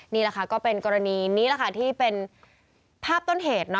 นี่แหละค่ะก็เป็นกรณีนี้แหละค่ะที่เป็นภาพต้นเหตุ